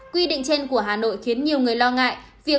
quy định trên của hà nội khiến nhiều người lo ngại